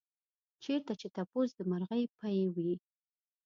چېرته چې تپوس د مرغۍ پۍ وي.